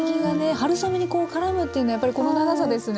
春雨にこうからむっていうのはやっぱりこの長さですね。